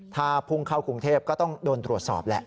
ถ้าพุ่งเข้ากรุงเทพก็ต้องโดนตรวจสอบแหละ